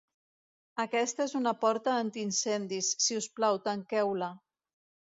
Aquesta és una porta anti-incendis. Si us plau, tanqueu-la.